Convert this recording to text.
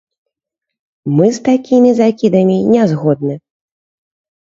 Мы з такімі закідамі не згодны.